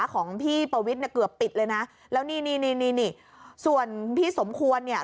ของพี่ปวิทย์เนี่ยเกือบปิดเลยนะแล้วนี่นี่นี่ส่วนพี่สมควรเนี่ย